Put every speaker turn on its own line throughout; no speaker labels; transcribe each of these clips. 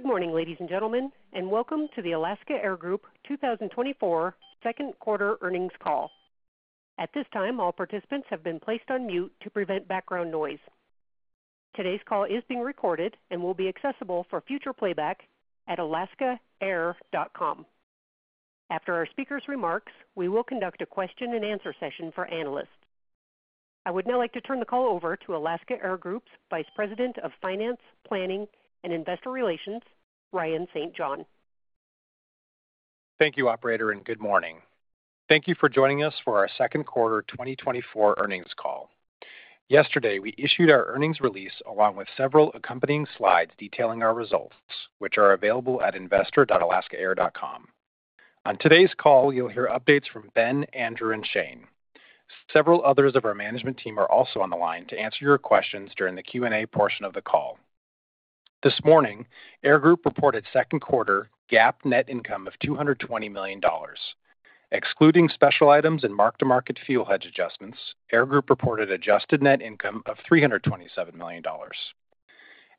Good morning, ladies and gentlemen, and welcome to the Alaska Air Group 2024 second quarter earnings call. At this time, all participants have been placed on mute to prevent background noise. Today's call is being recorded and will be accessible for future playback at alaskaair.com. After our speakers' remarks, we will conduct a question-and-answer session for analysts. I would now like to turn the call over to Alaska Air Group's Vice President of Finance, Planning, and Investor Relations, Ryan St. John.
Thank you, operator, and good morning. Thank you for joining us for our second quarter 2024 earnings call. Yesterday, we issued our earnings release, along with several accompanying slides detailing our results, which are available at investor.alaskaair.com. On today's call, you'll hear updates from Ben, Andrew, and Shane. Several others of our management team are also on the line to answer your questions during the Q&A portion of the call. This morning, Air Group reported second quarter GAAP net income of $220 million. Excluding special items and mark-to-market fuel hedge adjustments, Air Group reported adjusted net income of $327 million.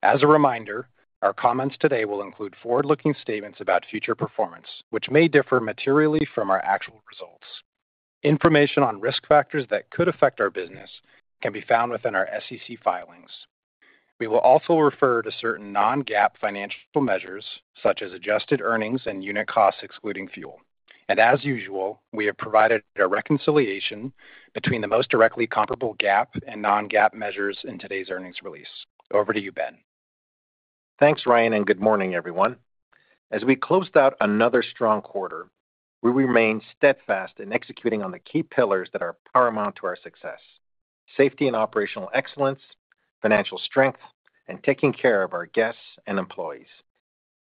As a reminder, our comments today will include forward-looking statements about future performance, which may differ materially from our actual results. Information on risk factors that could affect our business can be found within our SEC filings. We will also refer to certain non-GAAP financial measures, such as adjusted earnings and unit costs, excluding fuel. As usual, we have provided a reconciliation between the most directly comparable GAAP and non-GAAP measures in today's earnings release. Over to you, Ben.
Thanks, Ryan, and good morning, everyone. As we closed out another strong quarter, we remain steadfast in executing on the key pillars that are paramount to our success: safety and operational excellence, financial strength, and taking care of our guests and employees.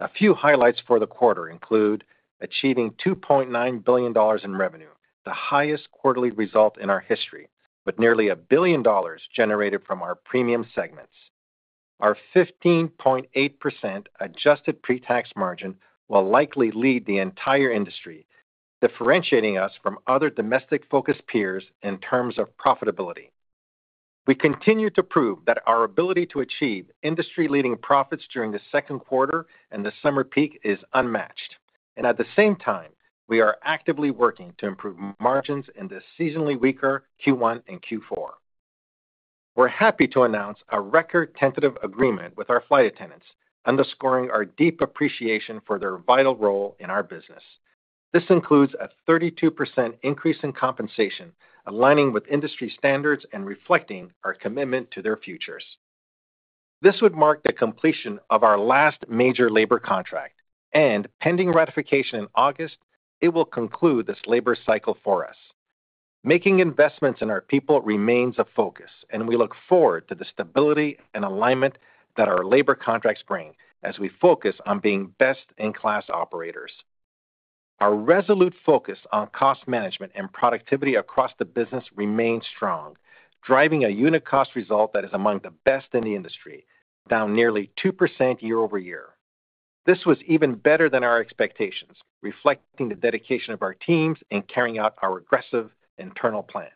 A few highlights for the quarter include achieving $2.9 billion in revenue, the highest quarterly result in our history, with nearly $1 billion generated from our premium segments. Our 15.8% adjusted pre-tax margin will likely lead the entire industry, differentiating us from other domestic-focused peers in terms of profitability. We continue to prove that our ability to achieve industry-leading profits during the second quarter and the summer peak is unmatched, and at the same time, we are actively working to improve margins in the seasonally weaker Q1 and Q4. We're happy to announce a record tentative agreement with our flight attendants, underscoring our deep appreciation for their vital role in our business. This includes a 32% increase in compensation, aligning with industry standards and reflecting our commitment to their futures. This would mark the completion of our last major labor contract, and pending ratification in August, it will conclude this labor cycle for us. Making investments in our people remains a focus, and we look forward to the stability and alignment that our labor contracts bring as we focus on being best-in-class operators. Our resolute focus on cost management and productivity across the business remains strong, driving a unit cost result that is among the best in the industry, down nearly 2% year-over-year. This was even better than our expectations, reflecting the dedication of our teams in carrying out our aggressive internal plans.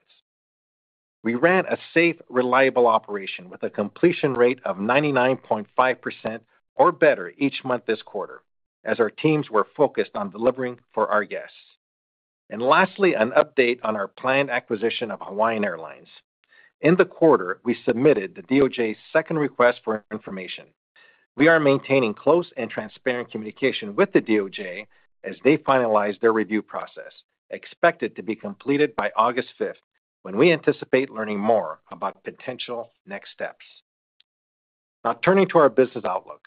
We ran a safe, reliable operation with a completion rate of 99.5% or better each month this quarter, as our teams were focused on delivering for our guests. Lastly, an update on our planned acquisition of Hawaiian Airlines. In the quarter, we submitted the DOJ's second request for information. We are maintaining close and transparent communication with the DOJ as they finalize their review process, expected to be completed by August fifth, when we anticipate learning more about potential next steps. Now, turning to our business outlook.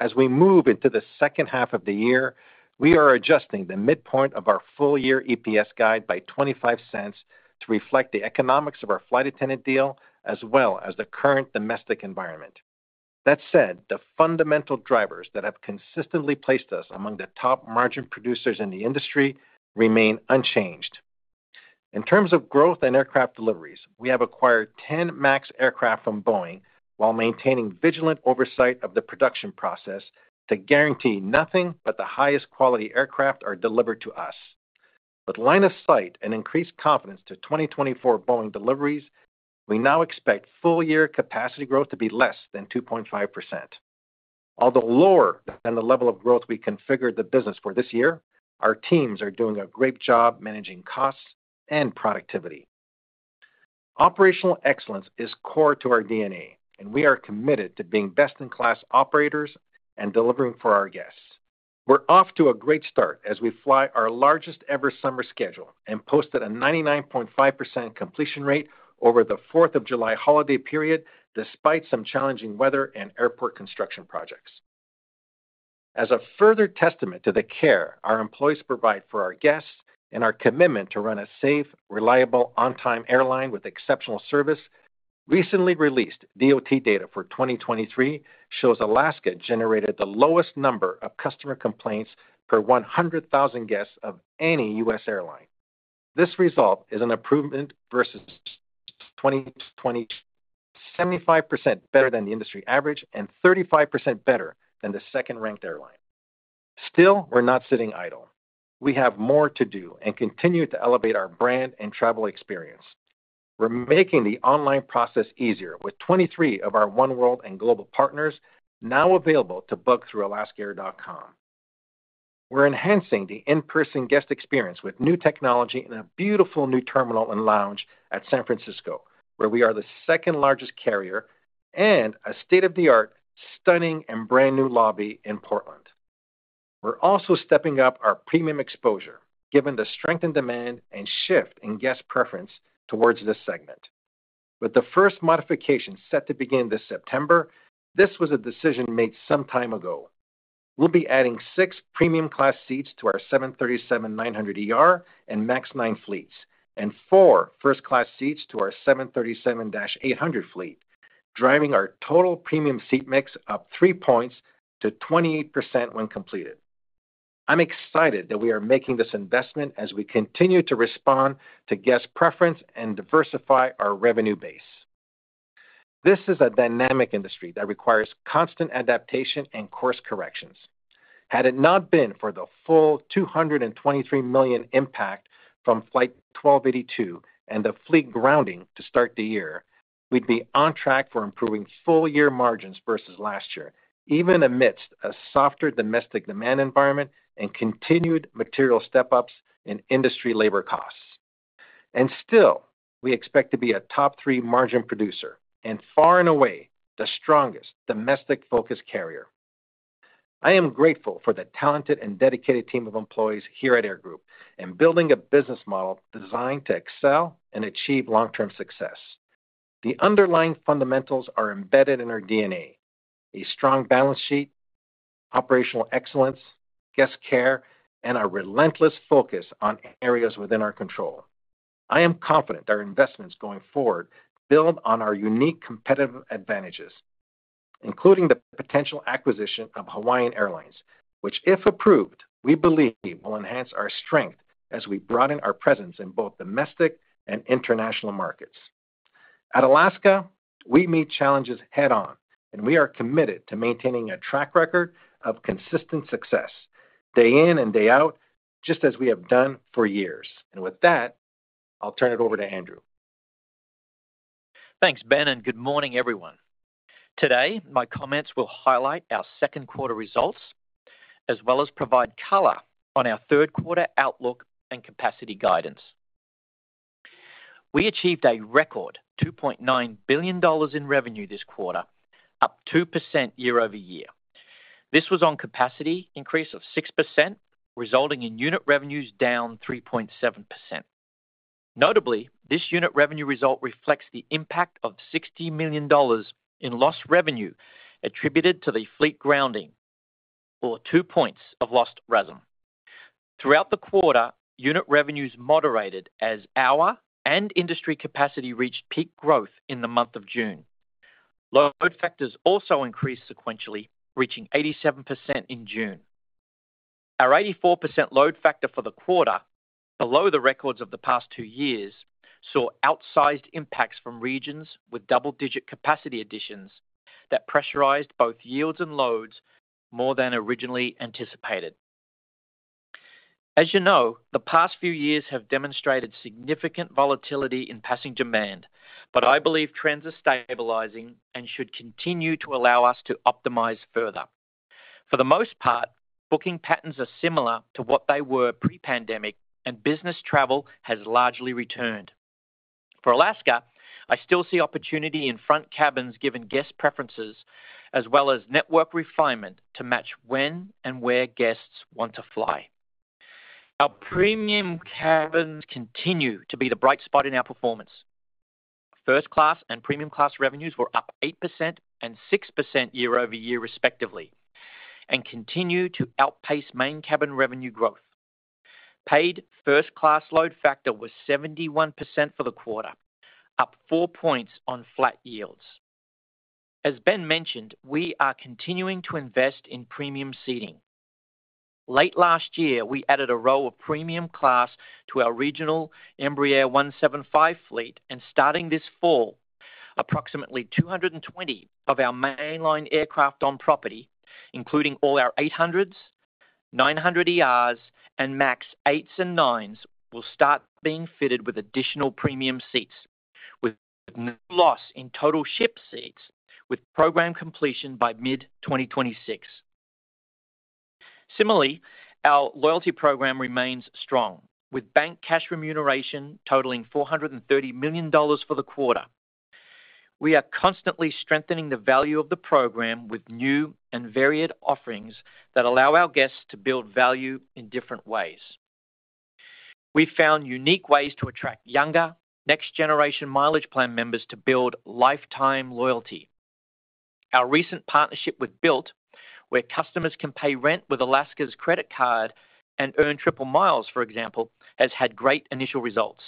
As we move into the second half of the year, we are adjusting the midpoint of our full-year EPS guide by $0.25 to reflect the economics of our flight attendant deal, as well as the current domestic environment. That said, the fundamental drivers that have consistently placed us among the top margin producers in the industry remain unchanged. In terms of growth and aircraft deliveries, we have acquired 10 MAX aircraft from Boeing while maintaining vigilant oversight of the production process to guarantee nothing but the highest quality aircraft are delivered to us. With line of sight and increased confidence to 2024 Boeing deliveries, we now expect full-year capacity growth to be less than 2.5%. Although lower than the level of growth we configured the business for this year, our teams are doing a great job managing costs and productivity. Operational excellence is core to our DNA, and we are committed to being best-in-class operators and delivering for our guests. We're off to a great start as we fly our largest-ever summer schedule and posted a 99.5% completion rate over the Fourth of July holiday period, despite some challenging weather and airport construction projects. As a further testament to the care our employees provide for our guests and our commitment to run a safe, reliable, on-time airline with exceptional service, recently released DOT data for 2023 shows Alaska generated the lowest number of customer complaints per 100,000 guests of any U.S. airline. This result is an improvement versus 2020, 75% better than the industry average and 35% better than the second-ranked airline. Still, we're not sitting idle. We have more to do and continue to elevate our brand and travel experience. We're making the online process easier, with 23 of our Oneworld and global partners now available to book through alaskaair.com. We're enhancing the in-person guest experience with new technology and a beautiful new terminal and lounge at San Francisco, where we are the second-largest carrier, and a state-of-the-art, stunning, and brand-new lobby in Portland. We're also stepping up our premium exposure, given the strength in demand and shift in guest preference towards this segment. With the first modification set to begin this September, this was a decision made some time ago. We'll be adding 6 Premium Class seats to our 737-900ER and 737 MAX 9 fleets, and 4 First Class seats to our 737-800 fleet, driving our total premium seat mix up 3 points to 28% when completed. I'm excited that we are making this investment as we continue to respond to guest preference and diversify our revenue base. This is a dynamic industry that requires constant adaptation and course corrections. Had it not been for the full $223 million impact from Flight 1282 and the fleet grounding to start the year, we'd be on track for improving full-year margins versus last year, even amidst a softer domestic demand environment and continued material step-ups in industry labor costs. Still, we expect to be a top three margin producer and far and away the strongest domestic-focused carrier. I am grateful for the talented and dedicated team of employees here at Air Group in building a business model designed to excel and achieve long-term success. The underlying fundamentals are embedded in our DNA: a strong balance sheet, operational excellence, guest care, and a relentless focus on areas within our control. I am confident our investments going forward build on our unique competitive advantages, including the potential acquisition of Hawaiian Airlines, which, if approved, we believe will enhance our strength as we broaden our presence in both domestic and international markets. At Alaska, we meet challenges head-on, and we are committed to maintaining a track record of consistent success day in and day out, just as we have done for years. With that, I'll turn it over to Andrew.
Thanks, Ben, and good morning, everyone. Today, my comments will highlight our second quarter results, as well as provide color on our third quarter outlook and capacity guidance. We achieved a record $2.9 billion in revenue this quarter, up 2% year-over-year. This was on capacity increase of 6%, resulting in unit revenues down 3.7%. Notably, this unit revenue result reflects the impact of $60 million in lost revenue attributed to the fleet grounding, or 2 points of lost RASM. Throughout the quarter, unit revenues moderated as our and industry capacity reached peak growth in the month of June. Load factors also increased sequentially, reaching 87% in June. Our 84% load factor for the quarter, below the records of the past two years, saw outsized impacts from regions with double-digit capacity additions that pressurized both yields and loads more than originally anticipated. As you know, the past few years have demonstrated significant volatility in passenger demand, but I believe trends are stabilizing and should continue to allow us to optimize further. For the most part, booking patterns are similar to what they were pre-pandemic, and business travel has largely returned. For Alaska, I still see opportunity in front cabins, given guest preferences, as well as network refinement to match when and where guests want to fly. Our premium cabins continue to be the bright spot in our performance. First Class and Premium Class revenues were up 8% and 6% year-over-year, respectively, and continue to outpace Main Cabin revenue growth. Paid First Class load factor was 71% for the quarter, up 4 points on flat yields. As Ben mentioned, we are continuing to invest in premium seating. Late last year, we added a row of Premium Class to our regional Embraer 175 fleet, and starting this fall, approximately 220 of our mainline aircraft on property, including all our 800s, 900ERs, and MAX 8s and 9s, will start being fitted with additional premium seats, with no loss in total ship seats, with program completion by mid-2026. Similarly, our loyalty program remains strong, with bank cash remuneration totaling $430 million for the quarter. We are constantly strengthening the value of the program with new and varied offerings that allow our guests to build value in different ways. We found unique ways to attract younger, next-generation Mileage Plan members to build lifetime loyalty. Our recent partnership with Bilt, where customers can pay rent with Alaska's credit card and earn triple miles, for example, has had great initial results.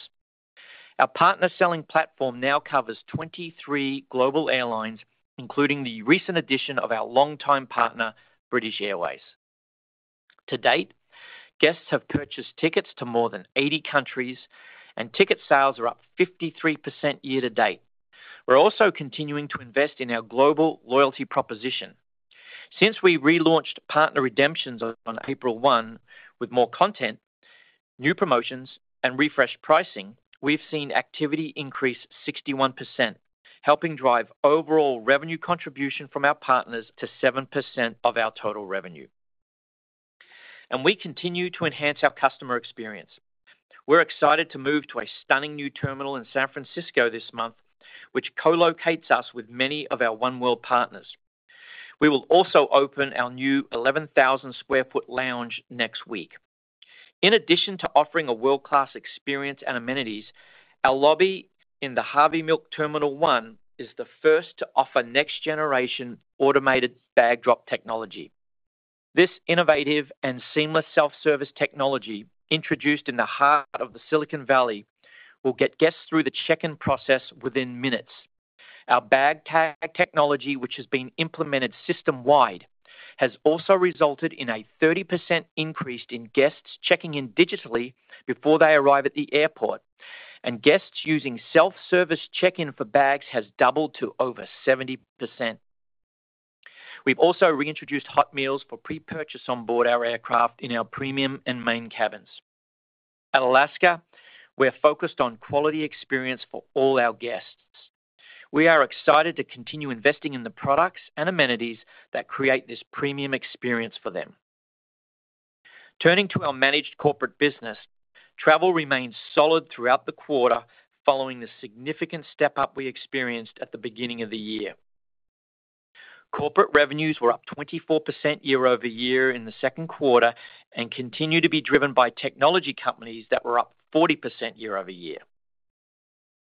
Our partner selling platform now covers 23 global airlines, including the recent addition of our longtime partner, British Airways. To date, guests have purchased tickets to more than 80 countries, and ticket sales are up 53% year to date. We're also continuing to invest in our global loyalty proposition. Since we relaunched partner redemptions on April 1, with more content, new promotions, and refreshed pricing, we've seen activity increase 61%, helping drive overall revenue contribution from our partners to 7% of our total revenue. And we continue to enhance our customer experience. We're excited to move to a stunning new terminal in San Francisco this month, which co-locates us with many of our One-world partners. We will also open our new 11,000 sq ft lounge next week. In addition to offering a world-class experience and amenities, our lobby in the Harvey Milk Terminal 1 is the first to offer next generation automated bag drop technology. This innovative and seamless self-service technology, introduced in the heart of the Silicon Valley, will get guests through the check-in process within minutes. Our bag tag technology, which has been implemented system-wide, has also resulted in a 30% increase in guests checking in digitally before they arrive at the airport, and guests using self-service check-in for bags has doubled to over 70%. We've also reintroduced hot meals for pre-purchase on board our aircraft in our premium and Main Cabin. At Alaska, we're focused on quality experience for all our guests. We are excited to continue investing in the products and amenities that create this premium experience for them. Turning to our managed corporate business, travel remained solid throughout the quarter, following the significant step-up we experienced at the beginning of the year. Corporate revenues were up 24% year over year in the second quarter, and continue to be driven by technology companies that were up 40% year over year.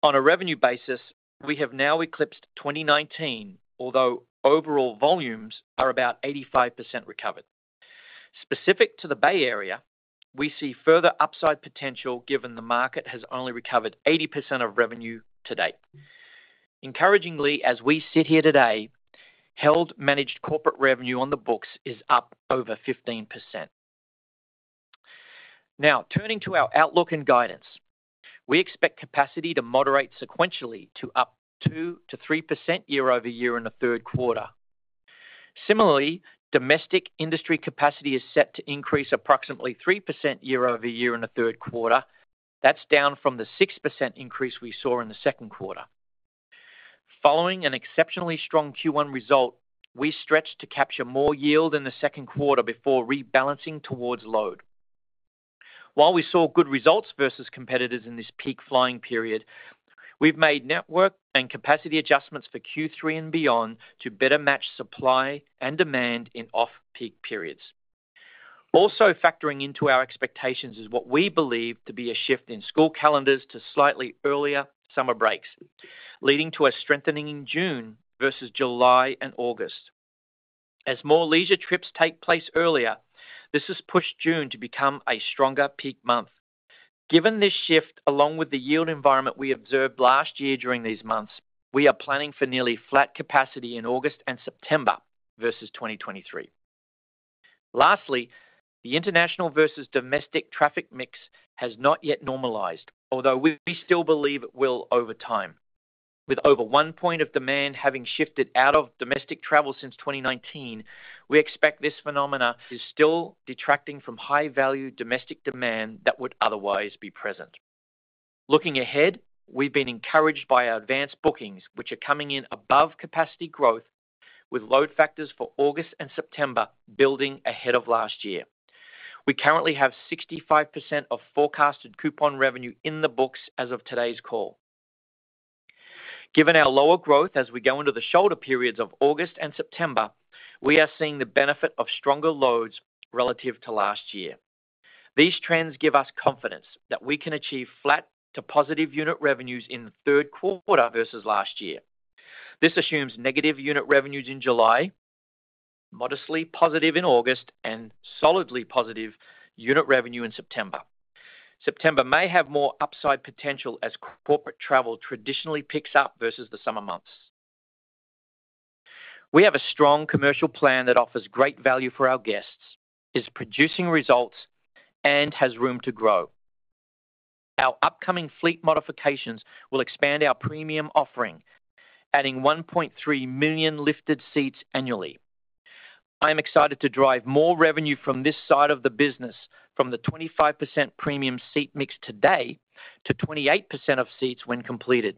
On a revenue basis, we have now eclipsed 2019, although overall volumes are about 85% recovered. Specific to the Bay Area, we see further upside potential given the market has only recovered 80% of revenue to date. Encouragingly, as we sit here today, held managed corporate revenue on the books is up over 15%. Now, turning to our outlook and guidance. We expect capacity to moderate sequentially to up 2%-3% year-over-year in the third quarter. Similarly, domestic industry capacity is set to increase approximately 3% year-over-year in the third quarter. That's down from the 6% increase we saw in the second quarter. Following an exceptionally strong Q1 result, we stretched to capture more yield in the second quarter before rebalancing towards load. While we saw good results versus competitors in this peak flying period, we've made network and capacity adjustments for Q3 and beyond to better match supply and demand in off-peak periods. Also factoring into our expectations is what we believe to be a shift in school calendars to slightly earlier summer breaks, leading to a strengthening in June versus July and August. As more leisure trips take place earlier, this has pushed June to become a stronger peak month. Given this shift, along with the yield environment we observed last year during these months, we are planning for nearly flat capacity in August and September versus 2023. Lastly, the international versus domestic traffic mix has not yet normalized, although we still believe it will over time. With over 1 point of demand having shifted out of domestic travel since 2019, we expect this phenomenon is still detracting from high-value domestic demand that would otherwise be present. Looking ahead, we've been encouraged by our advanced bookings, which are coming in above capacity growth with load factors for August and September building ahead of last year. We currently have 65% of forecasted coupon revenue in the books as of today's call. Given our lower growth as we go into the shoulder periods of August and September, we are seeing the benefit of stronger loads relative to last year. These trends give us confidence that we can achieve flat to positive unit revenues in the third quarter versus last year. This assumes negative unit revenues in July, modestly positive in August, and solidly positive unit revenue in September. September may have more upside potential as corporate travel traditionally picks up versus the summer months. We have a strong commercial plan that offers great value for our guests, is producing results, and has room to grow. Our upcoming fleet modifications will expand our premium offering, adding 1.3 million lifted seats annually. I am excited to drive more revenue from this side of the business, from the 25% premium seat mix today to 28% of seats when completed.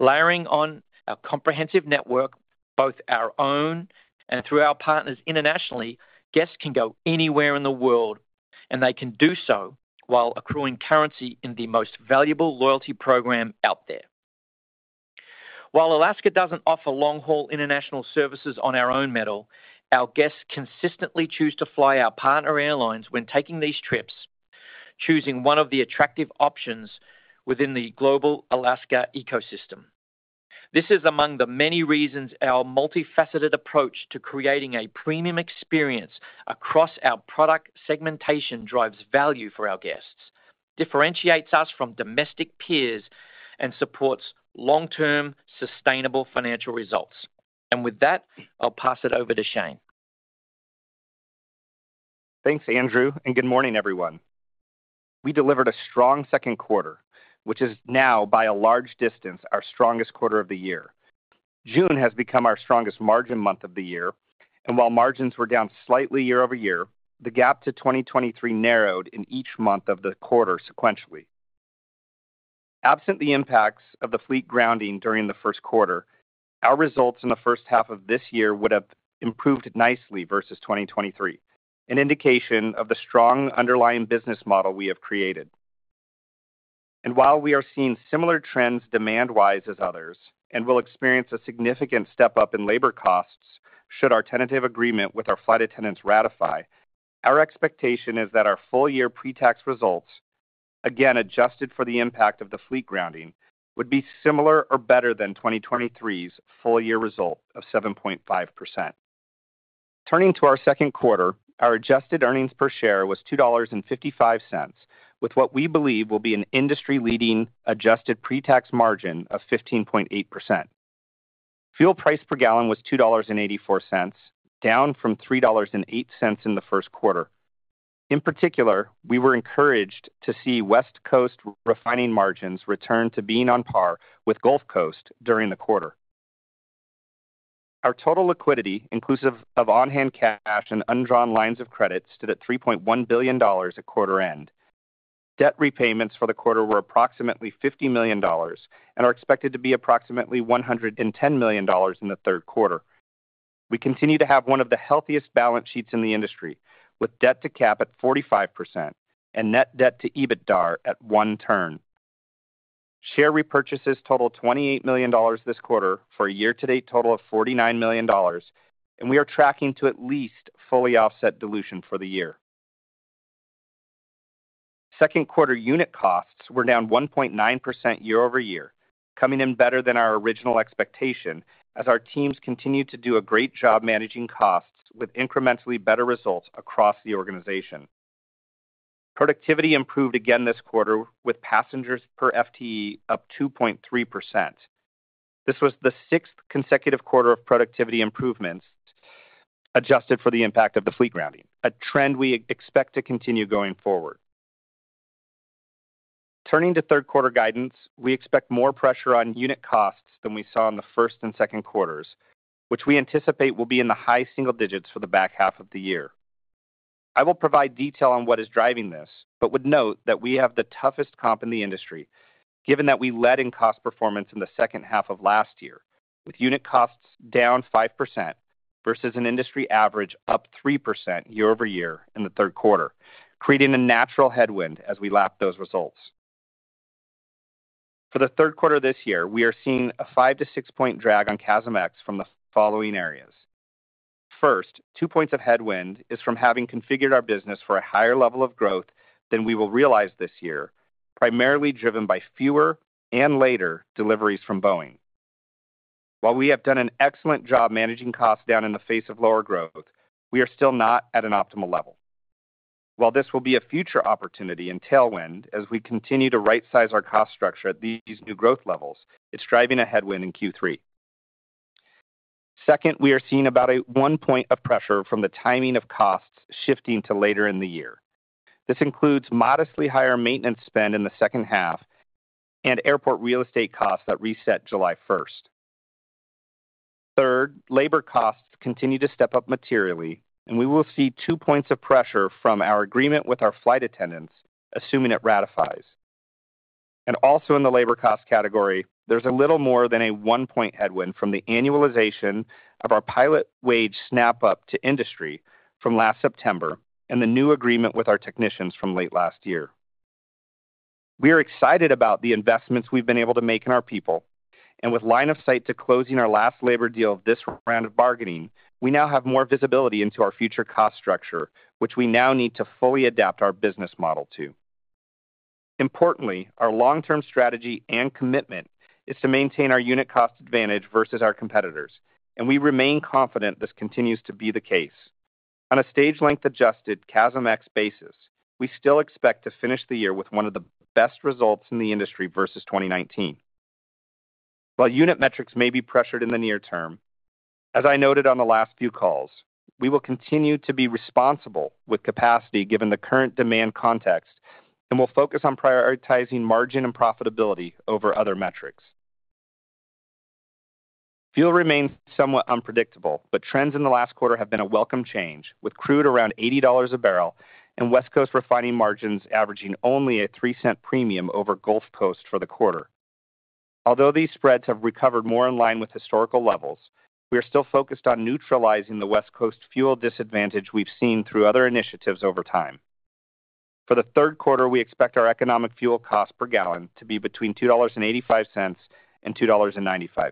Layering on our comprehensive network, both our own and through our partners internationally, guests can go anywhere in the world, and they can do so while accruing currency in the most valuable loyalty program out there. While Alaska doesn't offer long-haul international services on our own metal, our guests consistently choose to fly our partner airlines when taking these trips, choosing one of the attractive options within the global Alaska ecosystem. This is among the many reasons our multifaceted approach to creating a premium experience across our product segmentation drives value for our guests.... differentiates us from domestic peers and supports long-term, sustainable financial results. With that, I'll pass it over to Shane.
Thanks, Andrew, and good morning, everyone. We delivered a strong second quarter, which is now, by a large distance, our strongest quarter of the year. June has become our strongest margin month of the year, and while margins were down slightly year-over-year, the gap to 2023 narrowed in each month of the quarter sequentially. Absent the impacts of the fleet grounding during the first quarter, our results in the first half of this year would have improved nicely versus 2023, an indication of the strong underlying business model we have created. While we are seeing similar trends demand-wise as others, and will experience a significant step-up in labor costs should our tentative agreement with our flight attendants ratify, our expectation is that our full-year pre-tax results, again, adjusted for the impact of the fleet grounding, would be similar or better than 2023's full-year result of 7.5%. Turning to our second quarter, our adjusted earnings per share was $2.55, with what we believe will be an industry-leading adjusted pre-tax margin of 15.8%. Fuel price per gallon was $2.84, down from $3.08 in the first quarter. In particular, we were encouraged to see West Coast refining margins return to being on par with Gulf Coast during the quarter. Our total liquidity, inclusive of on-hand cash and undrawn lines of credits, stood at $3.1 billion at quarter end. Debt repayments for the quarter were approximately $50 million and are expected to be approximately $110 million in the third quarter. We continue to have one of the healthiest balance sheets in the industry, with debt to cap at 45% and net debt to EBITDA at 1 turn. Share repurchases totaled $28 million this quarter for a year-to-date total of $49 million, and we are tracking to at least fully offset dilution for the year. Second quarter unit costs were down 1.9% year-over-year, coming in better than our original expectation, as our teams continued to do a great job managing costs with incrementally better results across the organization. Productivity improved again this quarter, with passengers per FTE up 2.3%. This was the sixth consecutive quarter of productivity improvements, adjusted for the impact of the fleet grounding, a trend we expect to continue going forward. Turning to third quarter guidance, we expect more pressure on unit costs than we saw in the first and second quarters, which we anticipate will be in the high single digits for the back half of the year. I will provide detail on what is driving this, but would note that we have the toughest comp in the industry, given that we led in cost performance in the second half of last year, with unit costs down 5% versus an industry average up 3% year-over-year in the third quarter, creating a natural headwind as we lap those results. For the third quarter this year, we are seeing a 5- to 6-point drag on CASM ex from the following areas: First, 2 points of headwind is from having configured our business for a higher level of growth than we will realize this year, primarily driven by fewer and later deliveries from Boeing. While we have done an excellent job managing costs down in the face of lower growth, we are still not at an optimal level. While this will be a future opportunity and tailwind as we continue to rightsize our cost structure at these new growth levels, it's driving a headwind in Q3. Second, we are seeing about a 1 point of pressure from the timing of costs shifting to later in the year. This includes modestly higher maintenance spend in the second half and airport real estate costs that reset July first. Third, labor costs continue to step up materially, and we will see two points of pressure from our agreement with our flight attendants, assuming it ratifies. Also in the labor cost category, there's a little more than a one-point headwind from the annualization of our pilot wage snap-up to industry from last September and the new agreement with our technicians from late last year. We are excited about the investments we've been able to make in our people, and with line of sight to closing our last labor deal of this round of bargaining, we now have more visibility into our future cost structure, which we now need to fully adapt our business model to. Importantly, our long-term strategy and commitment is to maintain our unit cost advantage versus our competitors, and we remain confident this continues to be the case. On a stage length-adjusted CASM ex basis, we still expect to finish the year with one of the best results in the industry versus 2019. While unit metrics may be pressured in the near term, as I noted on the last few calls, we will continue to be responsible with capacity, given the current demand context, and we'll focus on prioritizing margin and profitability over other metrics. Fuel remains somewhat unpredictable, but trends in the last quarter have been a welcome change, with crude around $80 a barrel and West Coast refining margins averaging only a 3-cent premium over Gulf Coast for the quarter. Although these spreads have recovered more in line with historical levels, we are still focused on neutralizing the West Coast fuel disadvantage we've seen through other initiatives over time. For the third quarter, we expect our economic fuel cost per gallon to be between $2.85 and $2.95.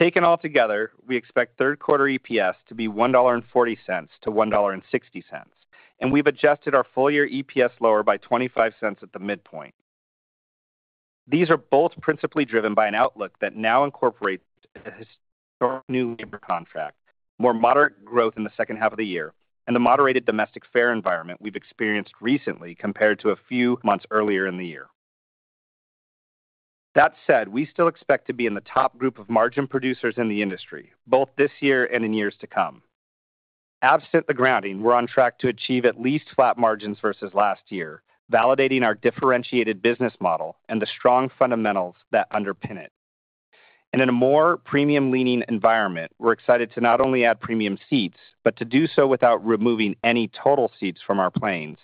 Taken all together, we expect third quarter EPS to be $1.40 to $1.60, and we've adjusted our full-year EPS lower by $0.25 at the midpoint. These are both principally driven by an outlook that now incorporates a historic new labor contract, more moderate growth in the second half of the year, and the moderated domestic fare environment we've experienced recently compared to a few months earlier in the year. That said, we still expect to be in the top group of margin producers in the industry, both this year and in years to come. Absent the grounding, we're on track to achieve at least flat margins versus last year, validating our differentiated business model and the strong fundamentals that underpin it. In a more premium-leaning environment, we're excited to not only add premium seats, but to do so without removing any total seats from our planes,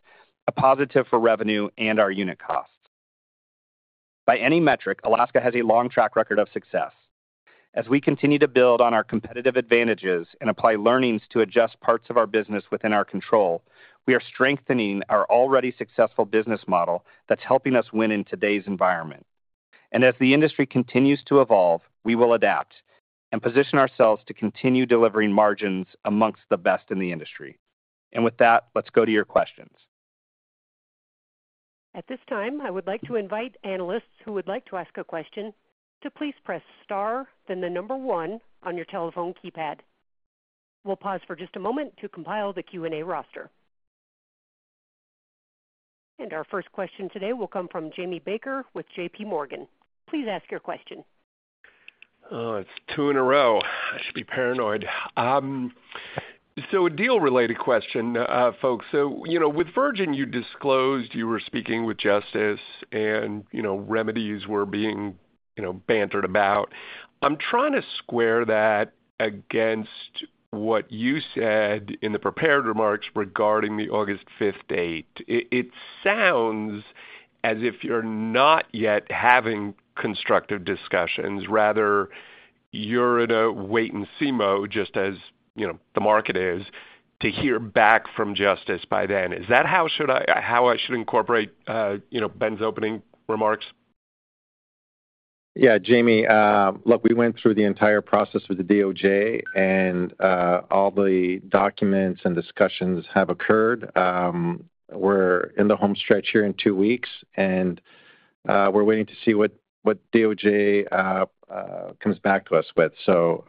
a positive for revenue and our unit costs. By any metric, Alaska has a long track record of success. As we continue to build on our competitive advantages and apply learnings to adjust parts of our business within our control, we are strengthening our already successful business model that's helping us win in today's environment. As the industry continues to evolve, we will adapt and position ourselves to continue delivering margins amongst the best in the industry. With that, let's go to your questions.
At this time, I would like to invite analysts who would like to ask a question to please press Star, then the number 1 on your telephone keypad. We'll pause for just a moment to compile the Q&A roster. Our first question today will come from Jamie Baker with JP Morgan. Please ask your question.
Oh, it's two in a row. I should be paranoid. So a deal-related question, folks. So, you know, with Virgin, you disclosed you were speaking with Justice and, you know, remedies were being, you know, bantered about. I'm trying to square that against what you said in the prepared remarks regarding the August fifth date. It sounds as if you're not yet having constructive discussions. Rather, you're at a wait-and-see mode, just as, you know, the market is, to hear back from Justice by then. Is that how should I—how I should incorporate, you know, Ben's opening remarks?
Yeah, Jamie, look, we went through the entire process with the DOJ, and all the documents and discussions have occurred. We're in the home stretch here in two weeks, and we're waiting to see what DOJ comes back to us with. So,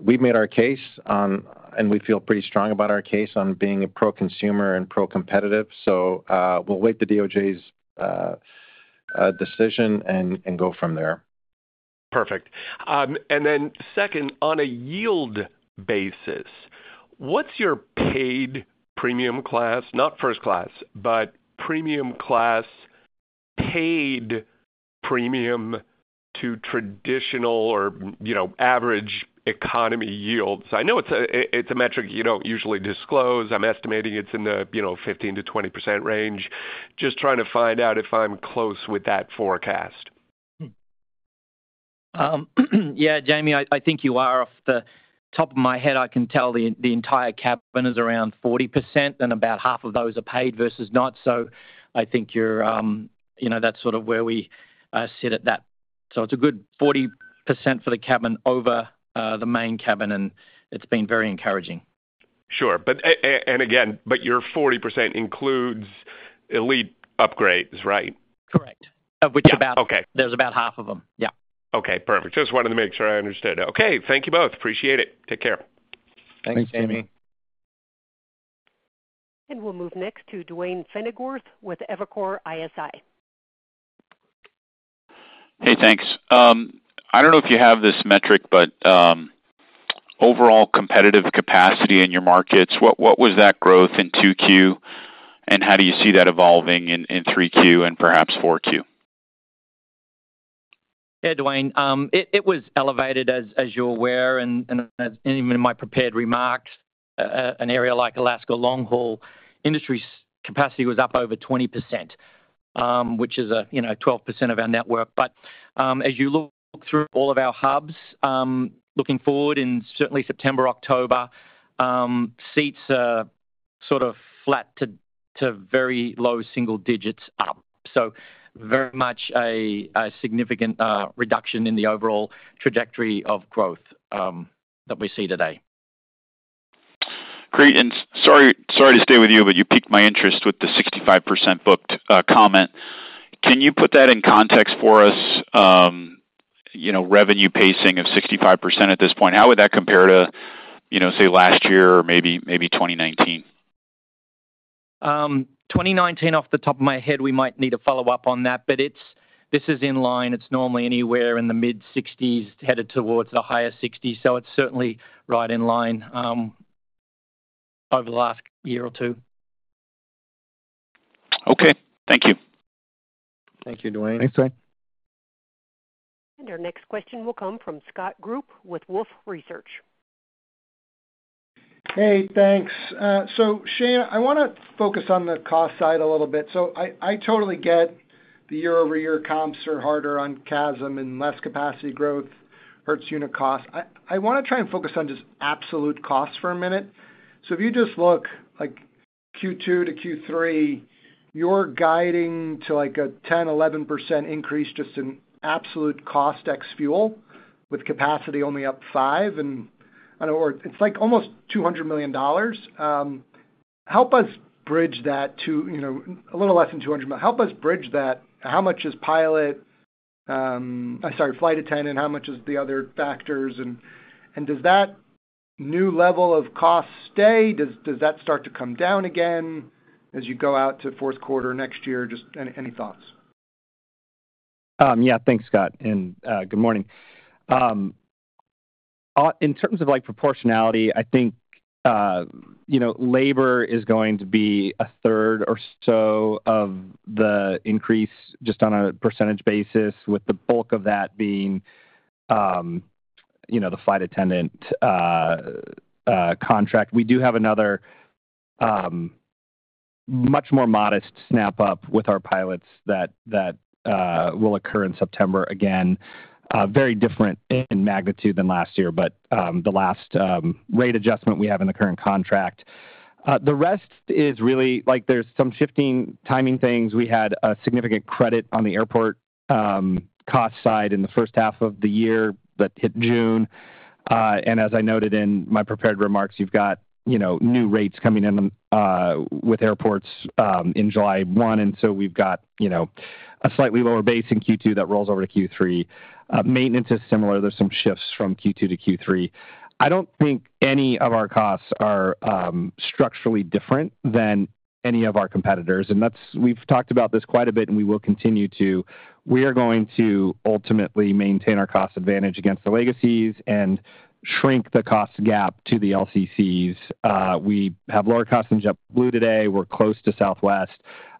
we've made our case on... And we feel pretty strong about our case on being a pro-consumer and pro-competitive. So, we'll wait the DOJ's decision and go from there.
Perfect. And then second, on a yield basis, what's your paid premium class? Not first class, but premium class, paid premium to traditional or, you know, average economy yields. I know it's a metric you don't usually disclose. I'm estimating it's in the, you know, 15%-20% range. Just trying to find out if I'm close with that forecast.
Yeah, Jamie, I think you are. Off the top of my head, I can tell the entire cabin is around 40%, and about half of those are paid versus not. So I think you're... You know, that's sort of where we sit at that. So it's a good 40% for the cabin over the main cabin, and it's been very encouraging.
Sure. But and again, but your 40% includes elite upgrades, right?
Correct.
Yeah.
Which about-
Okay.
There's about half of them. Yeah.
Okay, perfect. Just wanted to make sure I understood it. Okay, thank you both. Appreciate it. Take care.
Thanks, Jamie.
We'll move next to Duane Pfennigwerth with Evercore ISI.
Hey, thanks. I don't know if you have this metric, but overall competitive capacity in your markets—what was that growth in 2Q, and how do you see that evolving in 3Q and perhaps 4Q?
Hey, Duane. It was elevated, as you're aware, and as even in my prepared remarks, an area like Alaska long-haul industry's capacity was up over 20%, which is a, you know, 12% of our network. But, as you look through all of our hubs, looking forward in certainly September, October, seats are sort of flat to very low single digits up. So very much a significant reduction in the overall trajectory of growth, that we see today.
Great, and sorry, sorry to stay with you, but you piqued my interest with the 65% booked comment. Can you put that in context for us, you know, revenue pacing of 65% at this point? How would that compare to, you know, say, last year or maybe 2019?
2019, off the top of my head, we might need to follow up on that, but it's, this is in line. It's normally anywhere in the mid-sixties, headed towards the higher sixties, so it's certainly right in line, over the last year or two.
Okay, thank you.
Thank you, Duane.
Thanks, Duane.
Our next question will come from Scott Group with Wolfe Research.
Hey, thanks. So, Shane, I wanna focus on the cost side a little bit. So I, I totally get the year-over-year comps are harder on CASM and less capacity growth hurts unit cost. I, I wanna try and focus on just absolute costs for a minute. So if you just look like Q2 to Q3, you're guiding to like a 10%-11% increase just in absolute cost, ex-fuel, with capacity only up 5%, and I know... Or it's like almost $200 million. Help us bridge that to, you know, a little less than $200 million, but help us bridge that. How much is pilot, I'm sorry, flight attendant, how much is the other factors? And, and does that new level of cost stay? Does, does that start to come down again as you go out to fourth quarter next year? Just any, any thoughts?
Yeah, thanks, Scott, and good morning. In terms of, like, proportionality, I think, you know, labor is going to be a third or so of the increase, just on a percentage basis, with the bulk of that being, you know, the flight attendant contract. We do have another, much more modest snap-up with our pilots that will occur in September. Again, very different in magnitude than last year, but the last rate adjustment we have in the current contract. The rest is really like, there's some shifting timing things. We had a significant credit on the airport cost side in the first half of the year, that hit June. And as I noted in my prepared remarks, you've got, you know, new rates coming in with airports in July 1, and so we've got, you know, a slightly lower base in Q2 that rolls over to Q3. Maintenance is similar. There's some shifts from Q2 to Q3. I don't think any of our costs are structurally different than any of our competitors, and that's—we've talked about this quite a bit, and we will continue to. We are going to ultimately maintain our cost advantage against the legacies and shrink the cost gap to the LCCs. We have lower costs than JetBlue today, we're close to Southwest,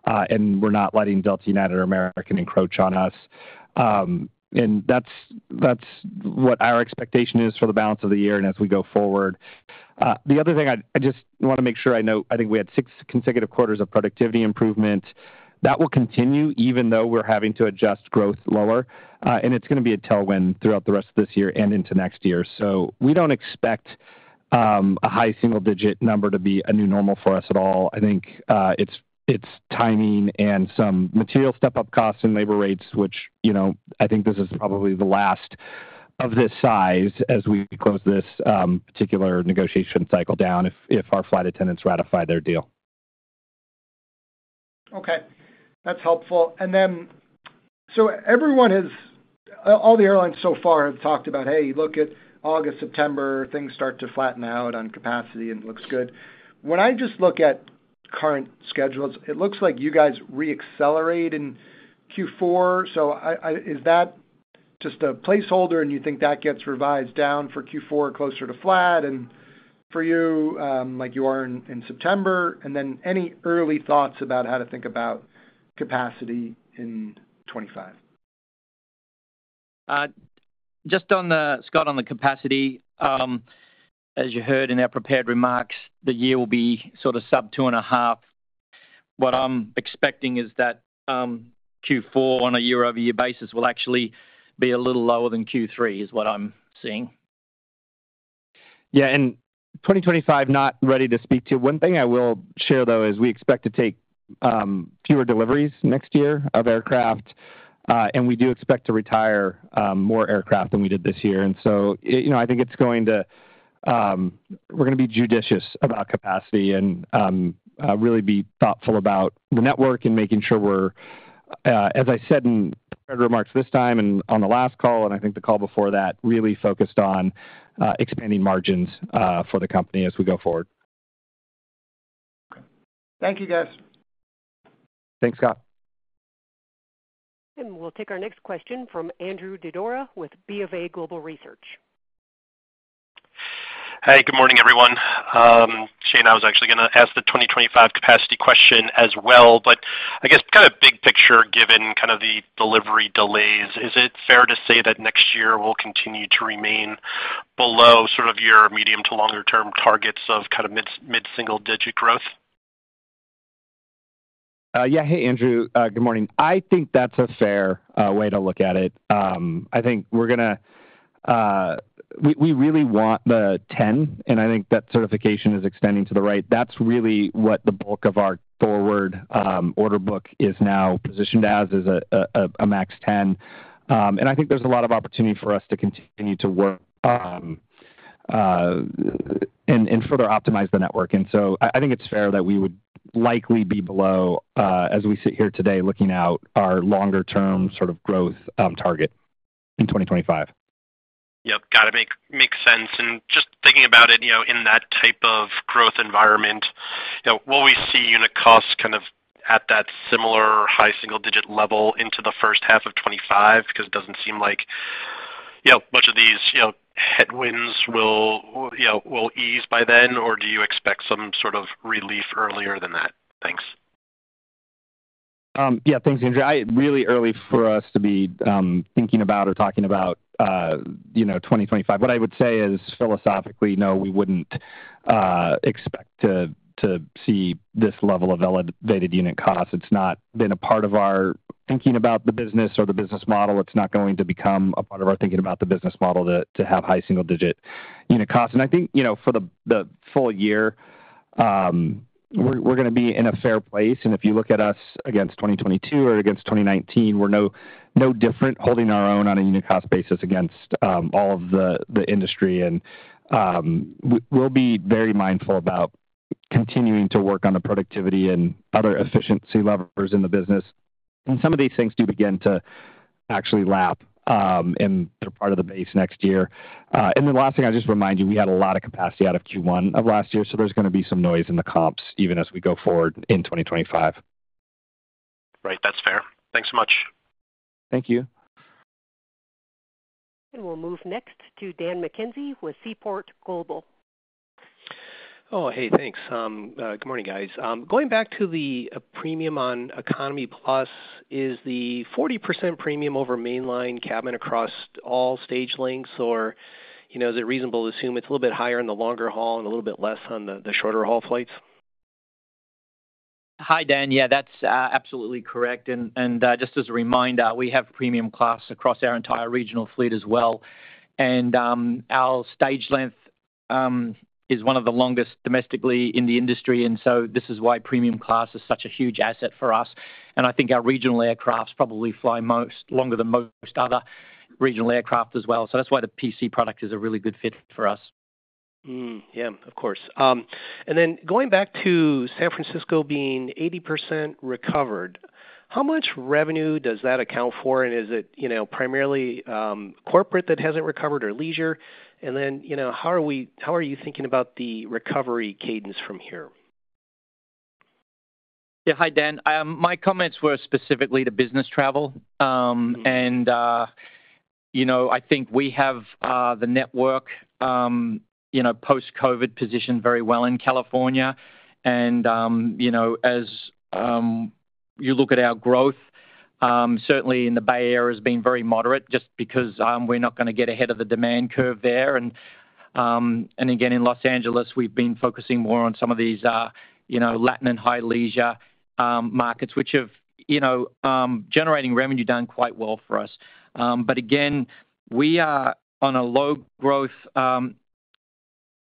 and we're not letting Delta, United, or American encroach on us. And that's, that's what our expectation is for the balance of the year and as we go forward. The other thing, I just wanna make sure I know, I think we had 6 consecutive quarters of productivity improvement. That will continue, even though we're having to adjust growth lower, and it's gonna be a tailwind throughout the rest of this year and into next year. So we don't expect a high single digit number to be a new normal for us at all. I think it's timing and some material step up costs and labor rates, which, you know, I think this is probably the last of this size as we close this particular negotiation cycle down, if our flight attendants ratify their deal.
Okay, that's helpful. And then, so all the airlines so far have talked about, "Hey, look at August, September, things start to flatten out on capacity, and it looks good." When I just look at current schedules, it looks like you guys re-accelerate in Q4. So is that just a placeholder, and you think that gets revised down for Q4 closer to flat, and for you, like you are in September? And then any early thoughts about how to think about capacity in 2025?
Just on the, Scott, on the capacity, as you heard in our prepared remarks, the year will be sort of sub 2.5. What I'm expecting is that, Q4, on a year-over-year basis, will actually be a little lower than Q3, is what I'm seeing.
Yeah, and 2025, not ready to speak to. One thing I will share, though, is we expect to take fewer deliveries next year of aircraft, and we do expect to retire more aircraft than we did this year. And so, you know, I think it's going to. We're gonna be judicious about capacity and really be thoughtful about the network and making sure we're, as I said in prepared remarks this time and on the last call, and I think the call before that, really focused on expanding margins for the company as we go forward.
Thank you, guys.
Thanks, Scott.
We'll take our next question from Andrew Didora with BofA Global Research.
Hi, good morning, everyone. Shane, I was actually gonna ask the 2025 capacity question as well, but I guess kind of big picture, given kind of the delivery delays, is it fair to say that next year will continue to remain below sort of your medium to longer term targets of kind of mid-mid single digit growth?
Yeah. Hey, Andrew, good morning. I think that's a fair way to look at it. I think we're gonna really want the 10, and I think that certification is extending to the right. That's really what the bulk of our forward order book is now positioned as, is a MAX 10. And I think there's a lot of opportunity for us to continue to work and further optimize the network. And so I think it's fair that we would likely be below, as we sit here today, looking out our longer term sort of growth target in 2025.
Yep, gotta make sense. And just thinking about it, you know, in that type of growth environment, you know, will we see unit costs kind of at that similar high single digit level into the first half of 2025? Because it doesn't seem like, you know, much of these, you know, headwinds will, you know, will ease by then, or do you expect some sort of relief earlier than that? Thanks.
Yeah, thanks, Andrew. It's really early for us to be thinking about or talking about, you know, 2025. What I would say is, philosophically, no, we wouldn't expect to see this level of elevated unit costs. It's not been a part of our thinking about the business or the business model. It's not going to become a part of our thinking about the business model to have high single digit unit costs. And I think, you know, for the full year, we're gonna be in a fair place, and if you look at us against 2022 or against 2019, we're no different, holding our own on a unit cost basis against all of the industry. And we'll be very mindful about-...
continuing to work on the productivity and other efficiency levers in the business. Some of these things do begin to actually lap, and they're part of the base next year. And then the last thing, I'll just remind you, we had a lot of capacity out of Q1 of last year, so there's gonna be some noise in the comps even as we go forward in 2025.
Right, that's fair. Thanks so much.
Thank you.
We'll move next to Dan McKenzie with Seaport Global.
Oh, hey, thanks. Good morning, guys. Going back to the premium on economy plus, is the 40% premium over mainline cabin across all stage lengths? Or, you know, is it reasonable to assume it's a little bit higher in the longer haul and a little bit less on the shorter haul flights?
Hi, Dan. Yeah, that's absolutely correct. And just as a reminder, we have premium class across our entire regional fleet as well. And our stage length is one of the longest domestically in the industry, and so this is why premium class is such a huge asset for us. And I think our regional aircrafts probably fly longer than most other regional aircraft as well, so that's why the PC product is a really good fit for us.
Yeah, of course. And then going back to San Francisco being 80% recovered, how much revenue does that account for? And is it, you know, primarily corporate that hasn't recovered or leisure? And then, you know, how are you thinking about the recovery cadence from here?
Yeah. Hi, Dan. My comments were specifically to business travel. You know, I think we have the network you know, post-COVID positioned very well in California. You know, as you look at our growth, certainly in the Bay Area has been very moderate, just because we're not gonna get ahead of the demand curve there. And again, in Los Angeles, we've been focusing more on some of these you know, Latin and high leisure markets, which have you know generating revenue done quite well for us. But again, we are on a low-growth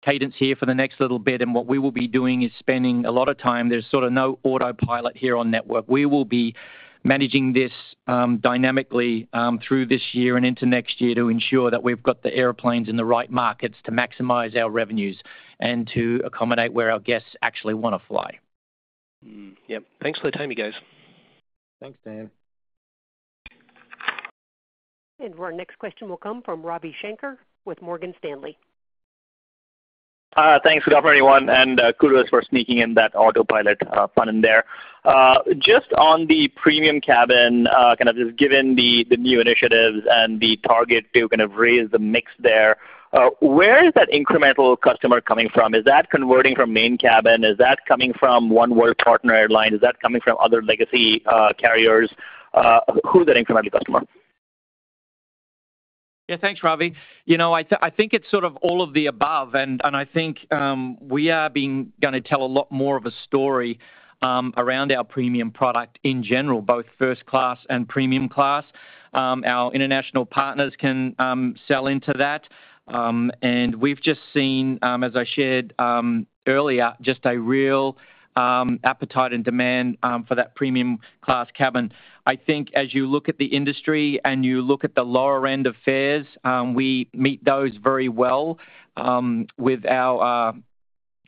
cadence here for the next little bit, and what we will be doing is spending a lot of time. There's sort of no autopilot here on network. We will be managing this, dynamically, through this year and into next year to ensure that we've got the airplanes in the right markets to maximize our revenues and to accommodate where our guests actually wanna fly.
Mm. Yep. Thanks for the time, you guys.
Thanks, Dan.
Our next question will come from Ravi Shanker with Morgan Stanley.
Thanks, good afternoon, everyone, and kudos for sneaking in that autopilot pun in there. Just on the premium cabin, kind of just given the new initiatives and the target to kind of raise the mix there, where is that incremental customer coming from? Is that converting from main cabin? Is that coming from Oneworld partner airlines? Is that coming from other legacy carriers? Who's that incremental customer?
Yeah, thanks, Ravi. You know, I think it's sort of all of the above, and I think we are gonna tell a lot more of a story around our premium product in general, both First Class and Premium Class. Our international partners can sell into that. And we've just seen, as I shared earlier, just a real appetite and demand for that Premium Class cabin. I think as you look at the industry and you look at the lower end of fares, we meet those very well with our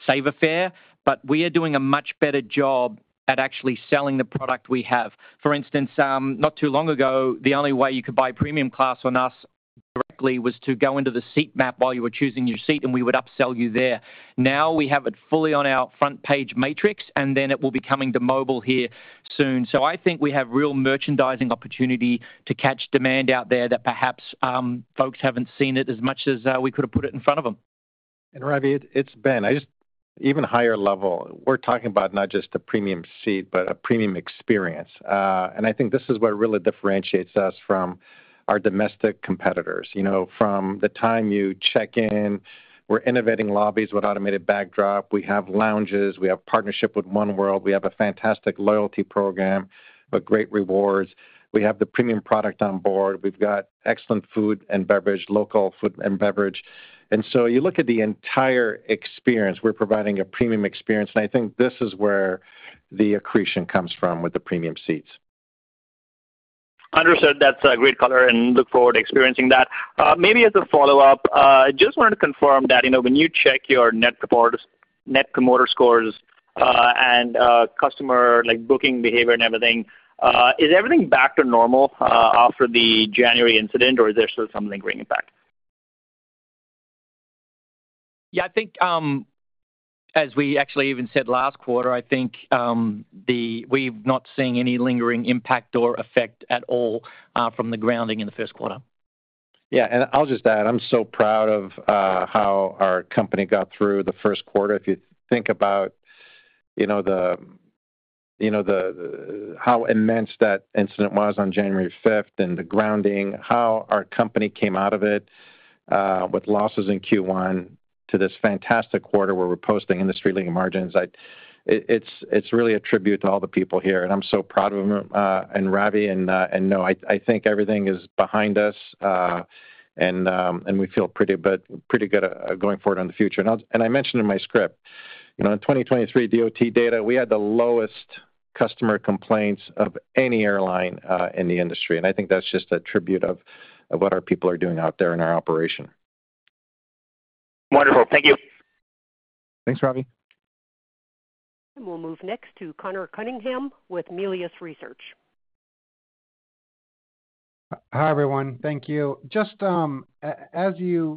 Saver Fare, but we are doing a much better job at actually selling the product we have. For instance, not too long ago, the only way you could buy premium class on us directly was to go into the seat map while you were choosing your seat, and we would upsell you there. Now, we have it fully on our front page matrix, and then it will be coming to mobile here soon. So I think we have real merchandising opportunity to catch demand out there that perhaps, folks haven't seen it as much as, we could have put it in front of them.
And Ravi, it's Ben. Even higher level, we're talking about not just a premium seat, but a premium experience. And I think this is what really differentiates us from our domestic competitors. You know, from the time you check in, we're innovating lobbies with automated bag drop. We have lounges. We have partnership with Oneworld. We have a fantastic loyalty program with great rewards. We have the premium product on board. We've got excellent food and beverage, local food and beverage. And so you look at the entire experience, we're providing a premium experience, and I think this is where the accretion comes from with the premium seats.
Understood. That's a great color, and look forward to experiencing that. Maybe as a follow-up, just wanted to confirm that, you know, when you check your Net Promoter Scores and customer, like, booking behavior and everything, is everything back to normal after the January incident, or is there still some lingering impact?
Yeah, I think, as we actually even said last quarter, I think, we've not seen any lingering impact or effect at all, from the grounding in the first quarter.
Yeah, and I'll just add, I'm so proud of how our company got through the first quarter. If you think about, you know, how immense that incident was on January fifth and the grounding, how our company came out of it with losses in Q1 to this fantastic quarter, where we're posting industry-leading margins. It's really a tribute to all the people here, and I'm so proud of them, and Ravi. And no, I think everything is behind us. And we feel pretty good going forward in the future. And I'll... And I mentioned in my script, you know, in 2023 DOT data, we had the lowest-... customer complaints of any airline in the industry, and I think that's just a tribute of what our people are doing out there in our operation.
Wonderful. Thank you.
Thanks, Robbie.
We'll move next to Conor Cunningham with Melius Research.
Hi, everyone. Thank you. Just on the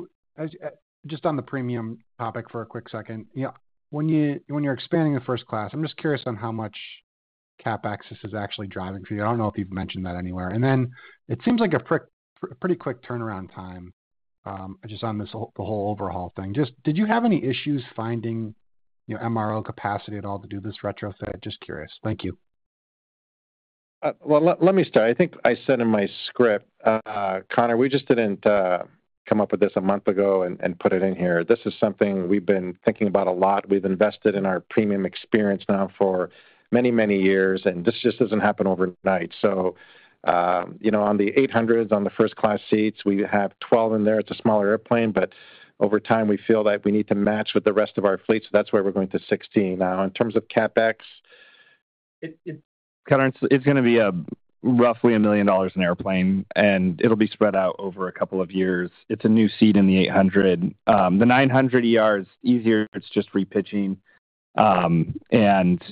premium topic for a quick second. You know, when you're expanding a First Class, I'm just curious on how much CapEx this is actually driving for you. I don't know if you've mentioned that anywhere. And then it seems like a pretty quick turnaround time, just on this whole overhaul thing. Just, did you have any issues finding, you know, MRO capacity at all to do this retrofit? Just curious. Thank you.
Well, let me start. I think I said in my script, Connor, we just didn't come up with this a month ago and put it in here. This is something we've been thinking about a lot. We've invested in our premium experience now for many, many years, and this just doesn't happen overnight. So, you know, on the 800s, on the first class seats, we have 12 in there. It's a smaller airplane, but over time, we feel that we need to match with the rest of our fleet, so that's where we're going to 16. Now, in terms of CapEx, it.
Connor, it's gonna be roughly $1 million an airplane, and it'll be spread out over a couple of years. It's a new seat in the eight hundred. The nine hundred ER is easier, it's just re-pitching. And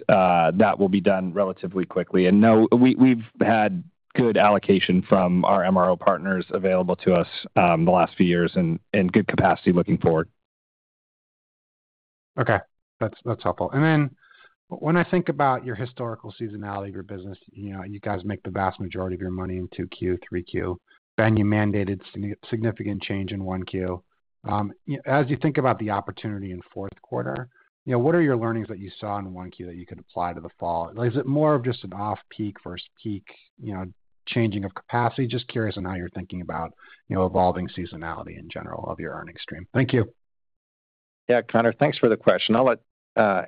that will be done relatively quickly. No, we've had good allocation from our MRO partners available to us the last few years and good capacity looking forward.
Okay, that's, that's helpful. And then when I think about your historical seasonality of your business, you know, you guys make the vast majority of your money in two Q, three Q. Then you mandated significant change in one Q. As you think about the opportunity in fourth quarter, you know, what are your learnings that you saw in one Q that you could apply to the fall? Like, is it more of just an off-peak versus peak, you know, changing of capacity? Just curious on how you're thinking about, you know, evolving seasonality in general of your earnings stream. Thank you.
Yeah, Connor, thanks for the question. I'll let,